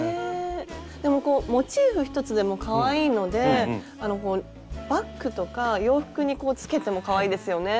でもこうモチーフ１つでもかわいいのであのバッグとか洋服にこうつけてもかわいいですよね。